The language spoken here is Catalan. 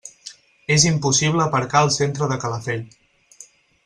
És impossible aparcar al centre de Calafell.